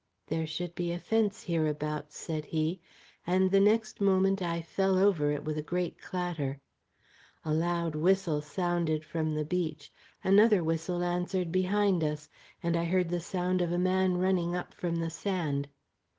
"There should be a fence hereabouts," said he, and the next moment I fell over it with a great clatter. A loud whistle sounded from the beach another whistle answered behind us, and I heard the sound of a man running up from the sand.